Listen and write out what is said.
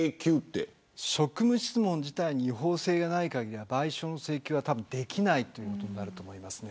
職務質問自体に違法性がない限りは賠償の請求は多分できないということになると思いますね。